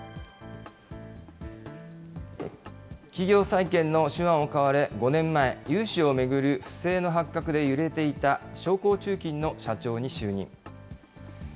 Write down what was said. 企業再建の手腕を買われ、５年前、融資を巡る不正の発覚で揺れていた商工中金の社長に就任。